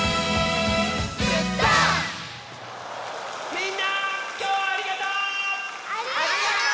みんなきょうはありがとう！